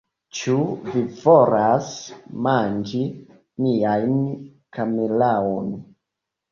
Cxu vi volas manĝi mian kameraon?